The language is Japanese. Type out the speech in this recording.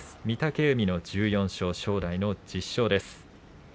御嶽海の１４勝正代の１０勝です。